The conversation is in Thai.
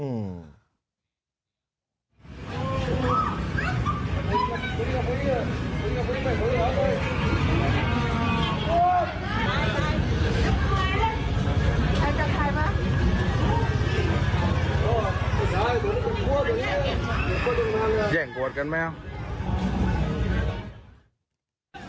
เอาไปไทยมา